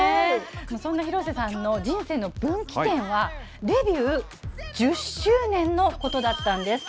そんな広瀬さんの人生の分岐点は、デビュー１０周年のことだったんです。